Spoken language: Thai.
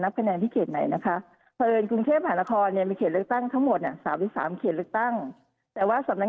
ไม่นับแบบระตั้งเหมือนของอื่น